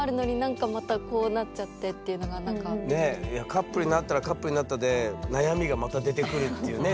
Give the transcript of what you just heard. カップルになったらカップルになったで悩みがまた出てくるっていうね。